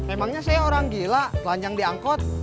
emangnya saya orang gila telanjang diangkut